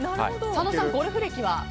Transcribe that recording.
佐野さん、ゴルフ歴は？